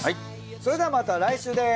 それではまた来週です。